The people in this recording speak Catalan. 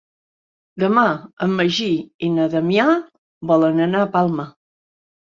Demà en Magí i na Damià volen anar a Palma.